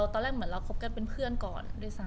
ตอนแรกเหมือนเราคบกันเป็นเพื่อนก่อนด้วยซ้ำ